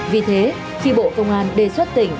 vì thế khi bộ công an đề xuất tỉnh